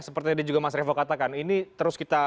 seperti yang juga mas revo katakan ini terus kita